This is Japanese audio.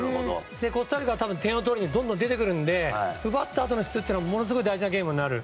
コスタリカは点を取りにどんどん出てくるので奪ったあとの質がものすごく大事なゲームになる。